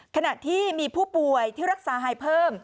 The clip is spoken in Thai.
ขณะที่มีผู้ป่วยที่รักษาหายเพิ่ม